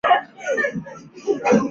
弗拉内人口变化图示